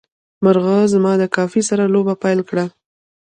مرغه زما د کافي سره لوبه پیل کړه.